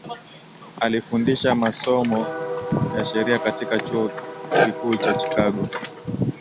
Alifundisha masomo ya sheria katika chuo kikuu cha Chicago